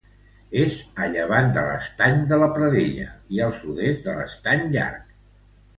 És a llevant de l'Estany de la Pradella i al sud-est de l'Estany Llarg.